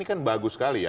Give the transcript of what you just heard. ini kan bagus sekali ya